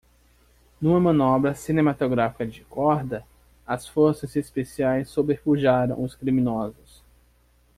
Numa manobra cinematográfica de corda?, as forças especiais sobrepujaram os criminosos.